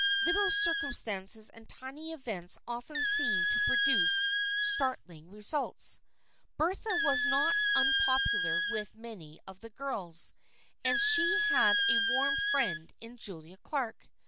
Little circumstances and tiny events often seem to produce startling results. Bertha was not unpopular with many of the girls, and she had a warm friend in Julia Clark.